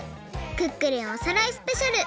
クックルンおさらいスペシャル！」。